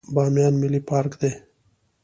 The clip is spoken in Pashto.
بامیان ملي پارک دی